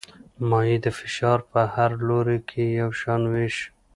مایع د فشار په هر لوري کې یو شان وېشي.